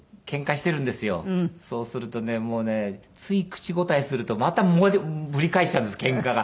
そうするとねもうねつい口答えするとまたぶり返しちゃうんですケンカが。